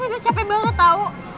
gue gak capek banget tau